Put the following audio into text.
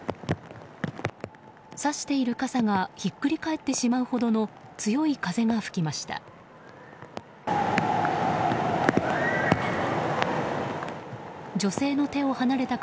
さしている傘がひっくり返ってしまうほどの強い風が吹きました。